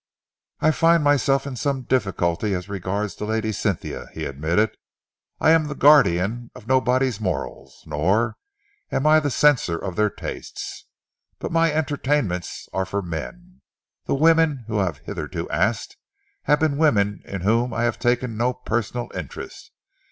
"I find myself in some difficulty as regards Lady Cynthia," he admitted. "I am the guardian of nobody's morals, nor am I the censor of their tastes, but my entertainments are for men. The women whom I have hitherto asked have been women in whom I have taken no personal interest.